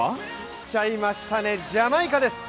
来ちゃいました、ジャマイカです！